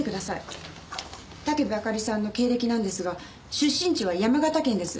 武部あかりさんの経歴なんですが出身地は山形県です。